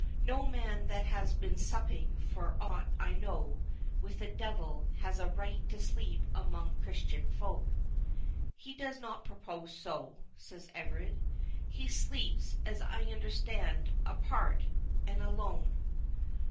"No man that has been supping, for aught I know, with the Devil, has a right to sleep among Christian folk." "He does not propose so," said Everard; "he sleeps, as I understand, apart—and alone."